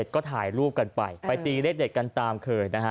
๗๗ก็ถ่ายรูปกันไปไปตีเล็กกันตามเกินนะฮะ